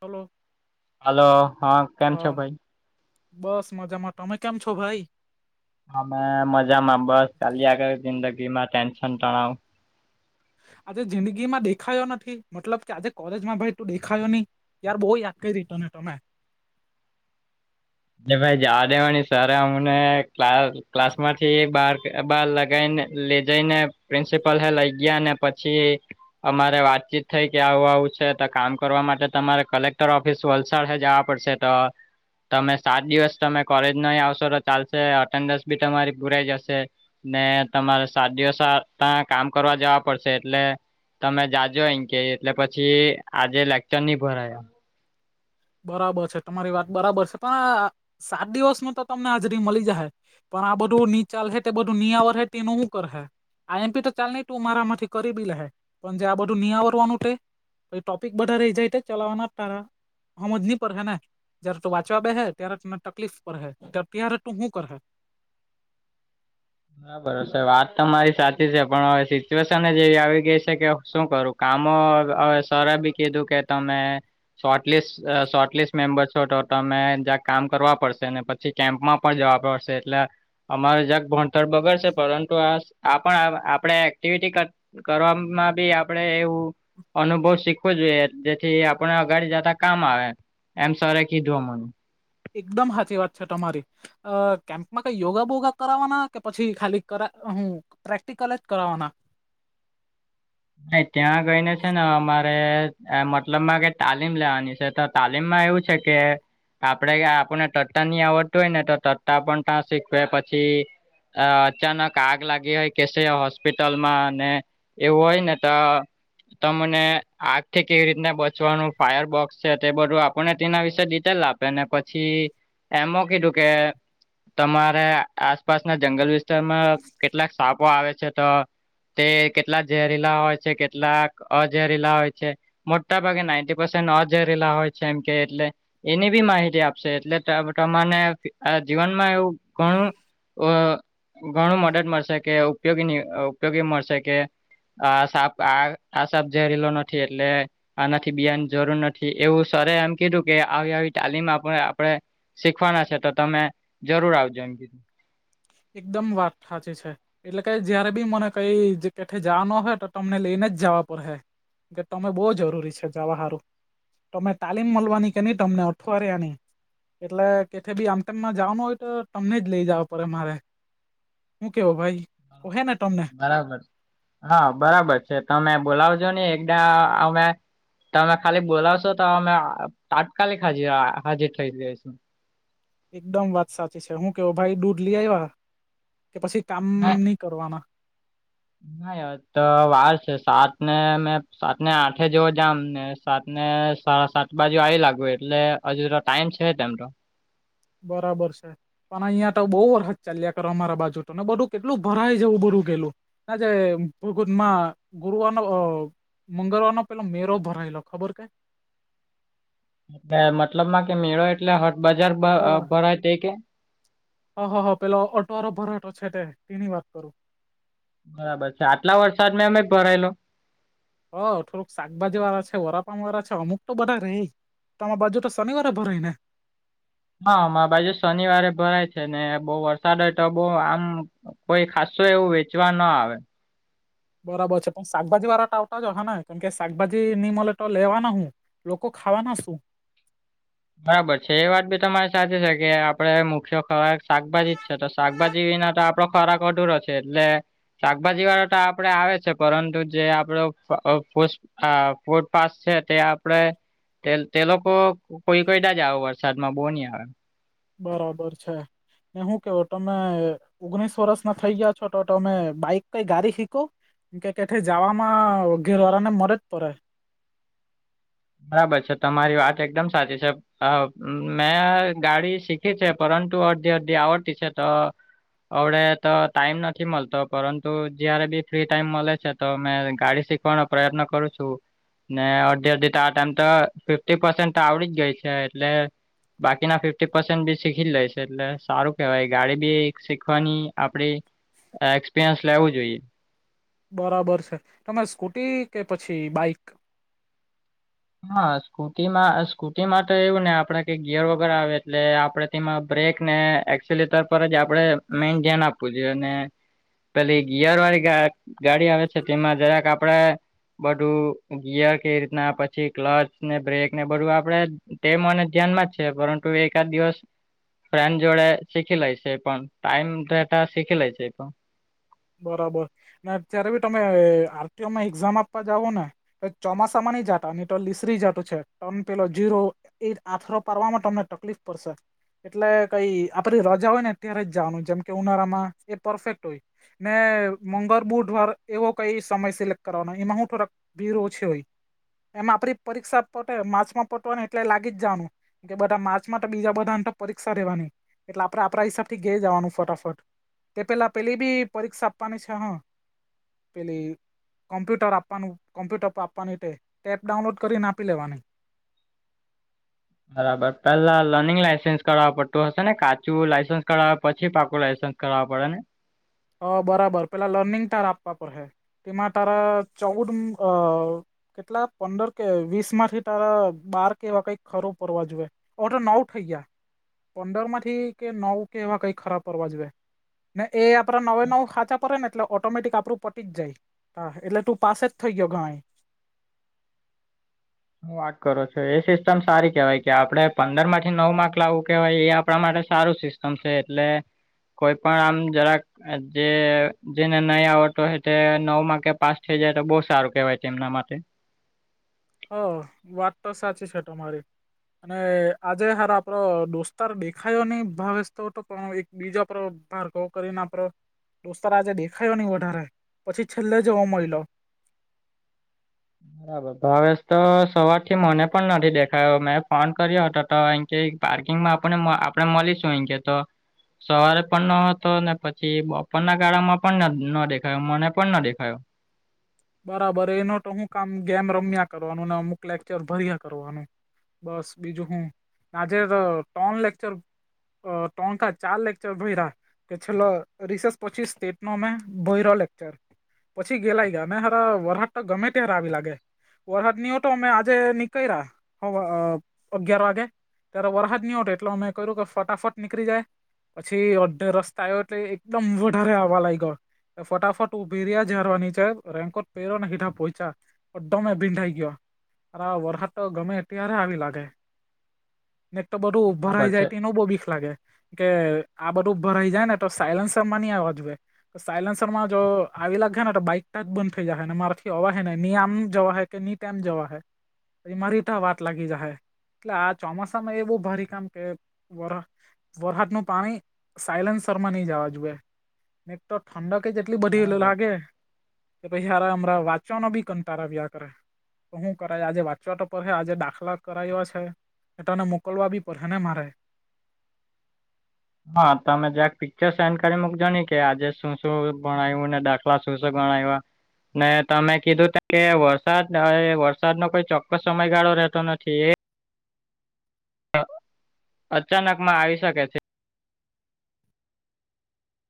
હાલો. Hello હા કેમ છો ભાઈ. બસ મજામાં તમે કેમ છો ભાઈ? અમે મજામાં બસ ચાલી આગળ જિંદગી માં ટેન્શન તણાવ. આજે જિંદગી માં દેખાયો નથી મતલબ કે આજે કોલેજમાં ભાઈ તું દેખાયો નહી. યાર બહુ યાદ કઈ રીટન હતો મેં. ભાઈ જ આ દેવાની સર અમને ક ક્લાસ માંથી બાર બાર લગાવી ને. લે જઈને પ્રિન્સિપલ હે લઈ ગયા ને પછી. અમારે વાતચીત થઈ કે આવું આવું છે તો કામ કરવા માટે તમારે કલેક્ટર ઓ ફિસ વલસાડ હે જવા પડશે તો. તમે સાત દિવસ તમે કોલેજ નહી આવશો તો ચાલશે અટેન્ડન્સ બી તમારી પુરાઈ જશે. ને તમારે સાત દિવસ ત કામ કરવા જવા પડશે એટલે. તમે જાજો અહી કે એટલે પછી આજે લેકચર નની ભરાયા. બરાબર તમારી વાત બરાબર પણ સાત દિવસમાં તો તમને હાજરી મળી જશે. પણ આ બધું નીચાલ છે તે બધું નિયાવર હે તેનું શું કર હે. આ એમપી તો ચાલ નહી તું મારામાંથી કરી બી લ હે પણ જે આ બધું નિહવરવાનું. ટોપિક બધા રહી જાયટે ચલાવના ટારા. હમજ નની પર હે ને જયારે તું વાંચવા બે હે ત્યારે તને તકલીફ પર હે ત્યારે તું શું કરે. ના બરો વાત તો મારી સાચી છે પણ હવે સિચ્યુએશન જેવી આવી ગઈ છે કે શું કરું. કામો સર બી કીધું કે તમે. સોટ લિસ્ટ સોર્ટ લિસ્ટ મેમ્બર છો તો તમે જ્યાં કામ કરવા પડશે ને પ છી કેમ્પમાં પણ જવા પડશે એટલે અમારે જગ ભ ણતર બગડશે પરંતુ આપણ આપણે એક્ટિવિટી ક કરવામાં બી આપડે એવું. અનુભવ શીખવો જોઈએ જેથી આપણે અગાડી જતા કામ આવે. એમ સરે કીધું અમને. એકદમ સાચી વાત છે તમારી. અ કેમ્પમાં કઈ યોગા બોગા કરાવવાના કે પછી ખાલી કર હું. પ્રેક્ટિકલ જ કરાવવાના. ત્યાં ગઈને છે ને, અમારે મતલબ માં ક તાલીમ લેવાની છે તો. તાલીમમાં એવું છે કે. આપને તટતા આવડતું હોય ને, તો તટતા પણ ત્યાં શીખવે પછી. અ અચાનક આગ લાગી હોય, કેશે હોસ્પિટલ માં અને એવું હોય. તા. તમને આગ થી કેવી રીતના બચવાનું, ફાયરબોક્સ છે, તે બધું આપને તેના વિશેે ડિટેલ આપ. અને પછી એમ કીધું કે. તમારે આસપાસના વિસ્તારમાં કેટલાક આવે છે, તો કેટલા ઝેરીલા હોય છે, કેટલાક અજેરીલા હોય. મોટા ભાગે નાઇ પસેન્ટ નજરેલા હોય છે, એમ કે એટલે એની બી માહિતી આપશે, એટલે તમાને જીવનમાં એવું ઘણું. અ ઘણું મદદ મળશે કે, ઉપયોગી ઉપયોગી મળશે કે. આ સાપ, આ આ સાપ ઝેરીલો નથી, એટલે. આનાથી બિયાની જરૂર નથી, એવું સર એમ કીધું કે, આવી આવી તાલીમ આપ આપણે. શીખવાના છે, તો તમે જરૂર આવજો, એમ કીધું. એકદમ વાત સાચી છે. એટલે કે જયારે બી મને કઈ કેઠ જવાનું હોય તો, તમને લઈને જ જવા પડેશે. કે તમે બહુ જરૂરી સારું. તમે તાલીમ મળવાની કેની, તમને અઠવાડિયાની. એટલે કેથે ભી આમતેમાં જવાનું હોય તો, તમને જ લઇ જવો પડે મારે. હું ભાઈ હહને તમે? બરાબર, હા, બરાબર છે, તમે બોલાવજો ને એકદા અમે. તમે ખાલી બોલાવશો તો, અમે તાત્કાલિક હાજી હાજર થઈ જઈશું. એકદમ વાત સાચી છે, હું કેવ ભાઈ દૂર લ આવ્યા કે, પછી કામ નહી કરવાના. નાત. તો વાત છે, સાત ને મેં સાત ને, આઠે જોવ જ ને, સાત ને સાડા સાત બાજુ આવી લાગુ, એટલે હજુ તો ટાઈમ છે, તેમનો બરાબર છે. પણ અહીંયા તો બહુ વરષત ચાલ્યા કરે, અમારા બાજુ તો ને, બધું કેટલું ભરાય જેવું બધું ગેલું. ના, જેમાં ગુરુવાનો મંગળવાર નો, પેલો મેરો ભરાયેલો ખબર કે મતલબમાં કે, મેળો એટલે હટ બજાર ભરાય તે કે? હ, હા, હા, ઓટોવારો ભરાટો તે તેની વાત કરો. બરાબર છે, આટલા વરસાદ મેં અમે ભરાયેલો? શાકભાજી વાળા છે, વરાપન વાળા છે, અમુક તો બધા રે તમ બજેટ શનિવારે ભરેને? હામા બાજુ શનિવારે ભરાય છે ને, બહુ વરસાદ હોય તો, બહુ આમ કોઈ ખસ્સું એવું, વેચવાના આવે. બરાબર છે, પણ શાકભાજી વાળા ટાવટા જ. હા, કેમકે શાકભાજી ની મળે તો લેવાના શુ? લોકો ખાવાના શું? બરાબર છે, એ વાત બી તમારી સાચી છે કે, આપડે મુખ્ય ખવાર શાકભાજી જ છે, તો શાકભાજી વિના તો ખોરાક કધૂરો છે, એટલે શાકભાજી વાળા તો આપડે આવે છે, પરંતુ જે આપડો આ ફર્ટ પાસ છે, ત્યાં આપડે તે લોકો કોઈ કોઈ જ આવ વરસાદમાં બહુ ની આવે. બરાબર છે ને, શું કેવો તમે? ઓગણીસ વર્ષ ના થઈ ગયા છો, તો તમે બાઈક કઈ ગાડી શીખો? કે કેથે જવામાં, ઘેર વાળાને મદદ જ પડે. બરાબર છે, તમારી વાત એકદમ સાચી છે. હ, મેં ગાડી શીખી છે, પરંતુ અડધી-અડધી આવડતી છે તો. અવડે તો ટાઈમ નથી મળતો, પરંતુ જયારે બી ફ્રી ટાઈમ મળે છે, તો મેં ગાડી શીખ પણ પ્રયત્ન કરું છું ને, અડધી અડધી આ ટાઈમ તો ફિફી પસેન્ટ તો આવડી જ ગઈ છે, એટલે બાકીના પસેન્ટ બી શીખી લે છે, સારું કેવાય, ગાડી બી શીખવાની આપડી એક્સપિરિયન્સ લેવું જોઈએ. બરાબર છે, તમે સ્કૂટી કે પછી બાઈક હા, સ્કૂટીમાં સ્કૂટી માટે એવું ને, આપડે કે ગિયર વગર આવે, એટલે આપડે બ્રેક ને, એક્સલેટર પર જ આપણે મેન ધ્યાન આપવું જોઈએ, અને પેલી ગિયર વાળી ગાડી આવે છે, તેમાં જરાક આપડે બધું ગિયર કે રીતના પછી પછી ક્લચ ને બ્રેક ને, બધું આપણે તે મને ધ્યાન જ છે, પરંતુ એકાદ દિવસ ફ્રેન્ડ જોડે શીખી લઈ છે, પણ ટાઈમ શીખી લે છે, પણ બરાબર ને, અત્યારે બી તમે આરટીઓમાં એક્ઝામ આપવા જાઓ ને? ચોમાસામાંની જાટા તો લીસરી જાટું છે, ટન પેલો જીરો. એ આથરો પાડવામાં તમને તકલીફ પડશે. એટલે કઈ આપડી રજા હોય ને, ત્યારે જ જવાનું, જેમ કે ઉનાળામાં એ પરફેક્ટ હોય. ને મંગળ બુધવાર એવો કઈ સમય સિલેક્ટ કરવાનો, એમાં હું થોરોક બીરો છે હોય એમ, આપડી પરીક્ષા માર્ચમાં પટવાની એટલે જ જવાનું. કે બધા માર્ચ માટે બીજા બધાની પરીક્ષા રહેેવાની, એટલે આપણેે આપણા હિસાબથી ઘે જવાનું ફટાફટ. તે પેલા પેલી બી પરીક્ષા આપવાની છે હ, પેલી. કોમ્પુટર આપ્પાનું, કોમ્પ્યુટર પર આપવાની તે ટેપ ડાઉનલોડ કરીને આપી લેવાનુ. બરાબર, પેલા લર્નિંગ લાયસન્સ કરાવવા પડતું હશે ને, કાચું લાયસન્સ કરાવ પછી પાકું લાયસન્સ. કરાવવા પડે ને? અ બરાબર, પેલા લર્નિંગ તાર આપવા પડ હે, એમાં તારા ચૌદ અ કેટલા પંદર કે, વીસ માંથી તારા બાર કેવા કઈંક ખરું પરવા જોઈએ. અવેતો નવ થઈ ગયા. પંદર માંથી કે નવ કે એવા કઈ ખરા પરવા જોઈએ ને, એ આ આપણા નવે નવ હાચા પડે ને, એટલે ઓટોમેટિક આપણું પટી જ જાય. હા, એટલે તું પાસ જ થઈ ગયો ગણાય. હું વાત કરું છું, એ સિસ્ટમ સારી કેવાય કે, આપડે પંદર માંથી નવ માર્ક લાવવું કેવાય એ આપણા માટે સારું સિસ્ટમ છે, એટલે કોઈ પણ આમ જરાક. જે જેને ન આવતો હો, તે નવ માં કે પાસ થઇ જાય, તો બહુ સારું કેવાય એના માટે. હ, વાત તો સાચી છે તમારી. અને આજે હાર આપડો દોસ્તાર દેખાયો નહી, ભાવેેશ તો હતો પણ બીજા પ્ર ભારગ કરીને. દોસ્તાર આજે દેખાયો નઈ, વધારે પછી છેલ્લે જોવો મયલો. બરાબર, ભાવેશ તો સવાર થી મને પણ નથી દેખાયો, મેં ફોન કર્યો હતો તો કે પાર્કિંગમાં આપને, આપડે મળીશું કે તો સવારે પણ ન હતો ને, પછી બપોરના ગાળામાં પણ ન દેખાયો, મને પણ ન દેખાયો. બરાબર, એનો તો હું કામ ગેમ રમ્યા કરવાનું ને, અમુક લેક્ચર ભર્યા કરવાનું. બસ, બીજું હું આજે તો ટોન લેક્ચર અ તોણકા ચાર લેક્ચર ભયરા. કે છેલ્લો રિસેસ પછી સ્ટેટ ન ભયરો લેકચર પછી ગેલાઈ ગયા. અને હાર વરાહટ ગમે ત્યારે આગ લાગે. વરહાદ નની હો તો અમે આજે નીકળ રહ્યા હ અગિયાર વાગે. ત્યારે વરસાદ ની હોટ એટલે અમે કહ્યું કે ફટાફટ નીકળી જાય. પછી અડધે રસ્તા આવયો એટલે એકદમ વધારે હવા લાગ ગયો. ફટાફટ ઉભી રીયા ઝારવા નીચે. રેકોર પેહરયો નેના પહોંચ્યા દમે વિંડાઈ ગયો. આ વરહાદ તો ગમે ત્યારે આવી લાગે. તો બધું બરાબર ભરાઈ છે જાય તેનો બો બીખ લાગે. કે આ બધું ભરાઈ જાય ને તો સાયલન્શરમાંની આવવા જુઈએ. સાયલેન્સર માં જો આવી લાગે ને તો બાઈક. ટચ બંધ થઈ જાય હ ને મારાથી અવા હ ને ની આમ જવા હૈ કે ની તેમમ જવા હે. પછી મારીતા વાત લાગી જશે એટલે આ ચોમાસામાં એવું ભરી કામ કે વર. વરહાદનું પાણી સાયલેન્સરમાં ની જવા જોઈએ. તો ઠંડક જ એટલી બધી બરાબર લાગે. કે પછી સારા હમરાં વાંચવાનો ભી કંટારા વ્યા કરે. તો શું કરાય આજે વાચવા ટપર છે આજે દાખલા કરાવ્યા છે. તને મોકલવા બી પરહેને મારે. હા, તમે જ્યાક પિક્ચર સેન્ડ કરી મુકજો ન કે આજે શું શું ભણાવ્યું ને દાખલા શું શું ગણાય્યા. ને તમે કીધું કે વરસાદ થાહે, વરસાદ નો કોઈ ચોક્કસ સમયગાળો રહેતો નથી એ. અચાનકમાં આવી શકે છે.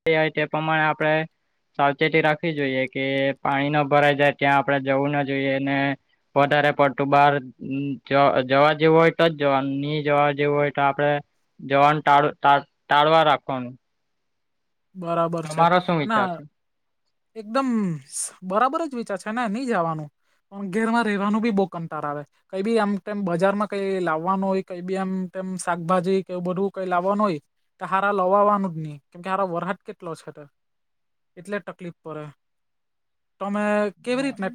તે આઇ તે પ્રમાણે આપણે... સાવચેતી રાખવી જોઈએ કે પાણી ન ભરાઈ જાય ત્યાં આપડે જવું ના જોઈએ અને, વધારે પડતું બાર, જવા જેવું હોય તો જ નહી જવા જેવું હોય તો આપડે, જવાનું ટા ટાળ ટાળવા રાખવાનું. બરાબર છે, તમારો શું વિચાર છે? અને... એકદમ બરાબર જ વિચાર છે ને નહી જવાનું. પણ ઘેરમાં રહેવાનું બી બહુ કંટાળો આવે. કઈ બી આમ બજારમાં કઈ લાવવાનું હોય કઈ બી આમ તેમ શાકભાજી કે બધું કઈ લાવવાનું હોય. તે હારા લવાવાનું જ નહી, તે હારો વરસાદ કેટલો છે, એટલે તકલીફ પડે. તમે કેવી રીતને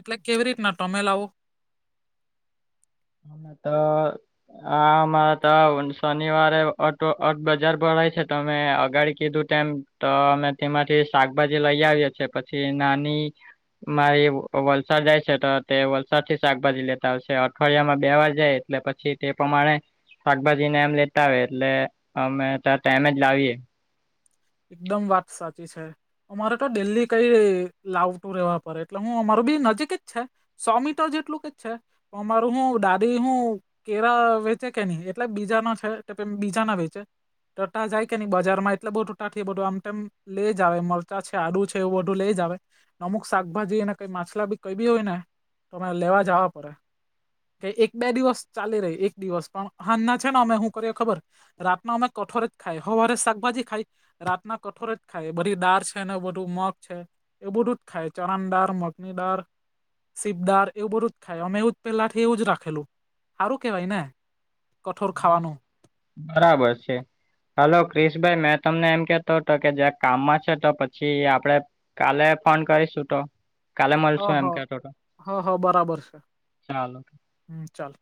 એટલે કેવી રીતના તમે લાવો? અ એમાં તો આમાં તો... શનિવારે ઓટો બજાર ભાય છે તો અમે અગાડી કીધું તેમમ તો અમે... તે માટે શાકભાજી લઈ આવી પછી નાની... મારી વલસાડ જાય છે તો તે વલસાડ થી શાકભાજી લેતા આવશે, અઠવાડિયામાં બે વાર જાય એટલે પછી તે પ્રમાણે... શાકભાજીને એમ લેતા આવે એટલે અમે ત ટઈમે જ લાવીએ. એકદમ વાત સાચી છે. અમારે તો ડેલી કઈ લાવ ટુર રવા પરે એટલે હું અમાર બી નજીક જ છે. સો મીટર જેટલું કે છે તો અમારું હું દાદી હું... કેરા વેચે કે નહી એટલે બીજા ના છે બીજા ના વેચે. [unintelligible] ત્યાં જાય કેની બજારમાં એટલે બહુ... બટાકા એ બધું આમ લઇ જાવ, મરચા છે, આદુ છે, એવું બધું લઇ જ આવે. નમુક શાકભાજી અને કઈ માછલા બી કઈ બી હોય ને, તો તમે લેવા જવા પડે. કે એક-બે દિવસ ચાલી રહી, એક દિવસ પણ હ ના છે ને, અમે હું કરીએ ખબર? રાતમાં અમે કઠોરે જ ખાય, હવારે શાકભાજી ખાય. રાતના કઠોર જ ખાય, બધી દાળ છે ને, બધું મગ છે. એવું ધુજ ખાય ચણાની દાળ, મગની દાળ. શીંગ દાળ, એવું બધું જ ખાય, અમે જ પેલાથી એવું જ સારું કેવાય ને? કઠોળ ખાવાનું. બરાબર છે. હલો, ક્રિશભાઈ મેં તમને એમ કેતો હતો કે, જે કામમાં છે, તો પછી આપડે કાલે ફોન કરીશું તો. કાલે હ મળશું, હ એમ કે હ ચાલો. હમ્મ, ચાલ.